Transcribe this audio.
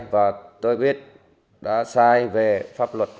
và tôi biết đã say về pháp luật